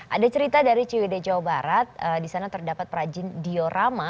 ada cerita dari ciwede jawa barat disana terdapat perajin diorama